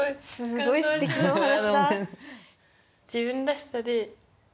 すごいすてきなお話だ。